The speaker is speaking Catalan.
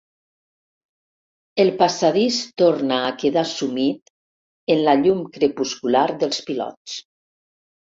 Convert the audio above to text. El passadís torna a quedar sumit en la llum crepuscular dels pilots.